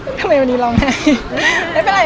ทำไมวันนี้ร้องไห้